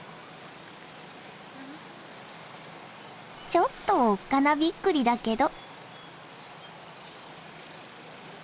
ちょっとおっかなびっくりだけど。